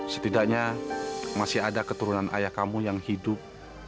setidaknya masih ada keturunan ayah kamu yang hidup